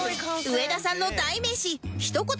上田さんの代名詞一言